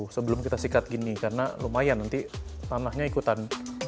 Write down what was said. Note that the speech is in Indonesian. sebelum kita sikat gini karena lumayan nanti tanahnya ikutan